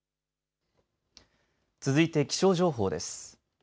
続いて気象情報です。